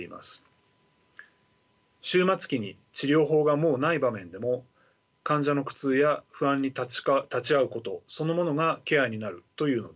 終末期に治療法がもうない場面でも患者の苦痛や不安に立ち会うことそのものがケアになるというのです。